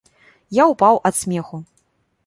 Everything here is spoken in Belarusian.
Я ўпаў ад смеху.